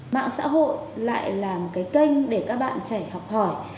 mạng xã hội lại là một cái kênh để các bạn trẻ học hỏi